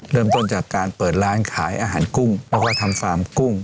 เริ่มต้นจากการเปิดร้านขายอาหารกุ้งแล้วก็ทำฟาร์มกุ้ง